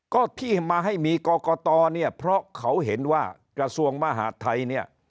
ก็ที่มาให้มีกรกตเนี่ยเพราะเขาเห็นว่ากระทรวงมหาดไทยเนี่ย